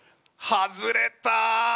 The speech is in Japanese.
外れた！